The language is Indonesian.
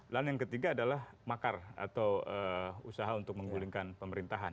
dan yang ketiga adalah makar atau usaha untuk menggulingkan pemerintahan